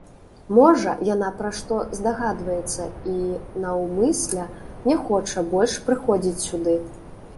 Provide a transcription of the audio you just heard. Можа, яна пра што здагадваецца і наўмысля не хоча больш прыходзіць сюды?